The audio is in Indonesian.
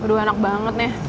aduh enak banget nih